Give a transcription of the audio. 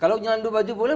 kalau nyelundup baju boleh